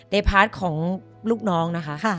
พาร์ทของลูกน้องนะคะ